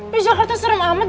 di jakarta serem amat